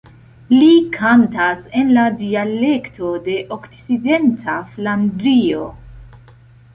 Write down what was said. Li kantas en la dialekto de Okcidenta Flandrio.